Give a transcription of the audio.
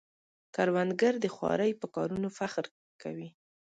کروندګر د خوارۍ په کارونو فخر کوي